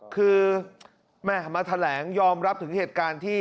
คือแม่มาแถลงยอมรับถึงเหตุการณ์ที่